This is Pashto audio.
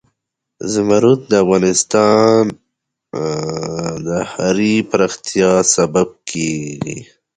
زمرد د افغانستان د ښاري پراختیا سبب کېږي.